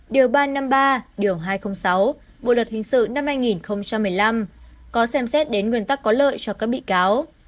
điều ba trăm năm mươi ba điều hai trăm linh sáu bộ luật hình sự năm hai nghìn một mươi năm có xem xét đến nguyên tắc có lợi cho các bị cáo